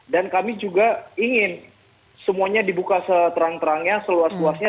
dan kami juga ingin semuanya dibuka seterang terangnya